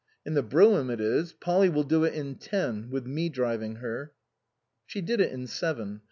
" In the brougham it is. Polly will do it in ten with me driving her." She did it in seven.